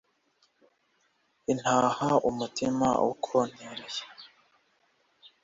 intaha umutima ukontereye